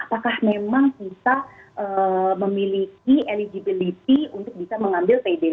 apakah memang kita memiliki eligibility untuk bisa mengambil payday loan atau tidak